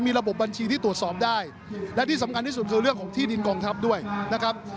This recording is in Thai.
ระบบบัญชีที่ตรวจสอบได้และที่สำคัญที่สุดคือเรื่องของที่ดินกองทัพด้วยนะครับ